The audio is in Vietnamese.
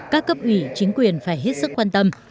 các cấp ủy chính quyền phải hết sức quan tâm